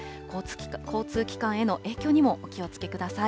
交通機関への影響にもお気をつけください。